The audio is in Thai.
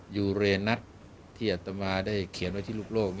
ยูเรนัทที่อัตมาได้เขียนไว้ที่ลูกโลก